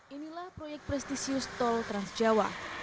inilah proyek prestisius tol transjawa